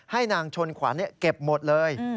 ให้นางชนขวัญเก็บหมดเลย